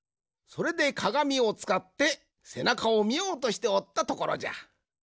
それでかがみをつかってせなかをみようとしておったところじゃ。